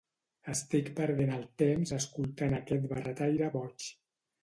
Estic perdent el temps escoltant aquest barretaire boig.